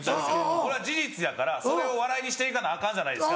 「これは事実やからそれを笑いにして行かなアカンじゃないですか」